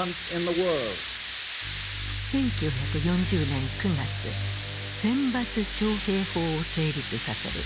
１９４０年９月選抜徴兵法を成立させる。